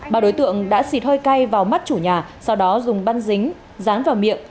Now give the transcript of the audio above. ba đối tượng đã xịt hơi cay vào mắt chủ nhà sau đó dùng băn dính rán vào miệng